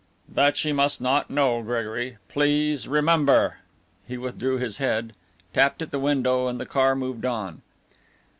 "That she must not know, Gregory please remember." He withdrew his head, tapped at the window and the car moved on.